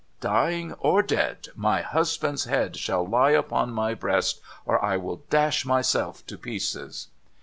' Dying or dead, my husband's head shall lie upon my breast, or I will dash myself to pieces.'